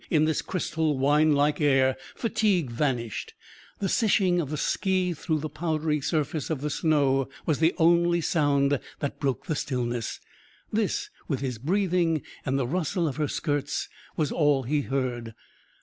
In this crystal, wine like air fatigue vanished. The sishing of the ski through the powdery surface of the snow was the only sound that broke the stillness; this, with his breathing and the rustle of her skirts, was all he heard.